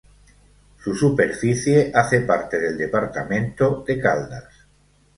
Su superficie hace parte del departamento de Caldas.